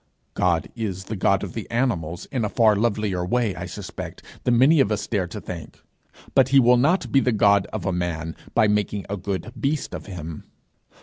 God is the God of the animals in a far lovelier way, I suspect, than many of us dare to think, but he will not be the God of a man by making a good beast of him.